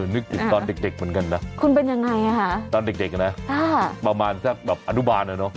นึกถึงตอนเด็กเหมือนกันน่ะขนาดเด็กนะประมาณแบบอนุบาลเนอะ